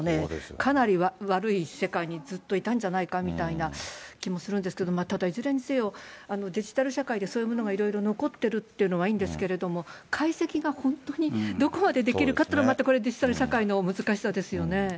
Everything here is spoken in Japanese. かなり悪い世界にずっといたんじゃないかみたいな気もするんですけど、ただいずれにせよ、デジタル社会でそういうものがいろいろ残ってるっていうのはいいんですけれども、解析が本当にどこまでできるかっていうのは、またデジタル社会の難しさですよね。